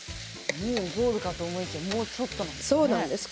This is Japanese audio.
もうゴールかと思いきやもうちょっとなんですね。